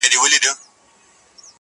وېل سینه کي به یې مړې ډېوې ژوندۍ کړم,